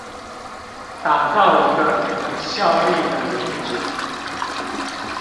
打造一個有效率的民主